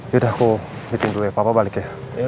saya akan mengadakan pernikahan papa akan kembali